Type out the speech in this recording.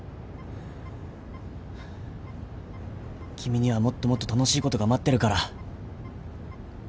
君にはもっともっと楽しいことが待ってるから。